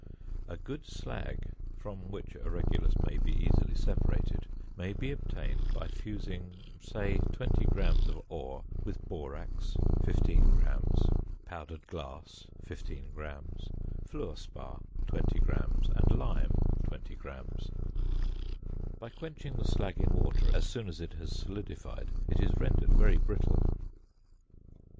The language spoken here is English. A good slag (from which a regulus may be easily separated) may be obtained by fusing, say, 20 grams of ore with borax 15 grams, powdered glass 15 grams, fluor spar, 20 grams, and lime 20 grams; by quenching the slag in water as soon as it has solidified, it is rendered very brittle.